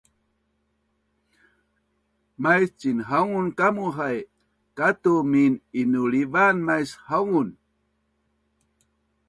Mais cinhaungun kamu hai, katu min-inulivaan mais haungun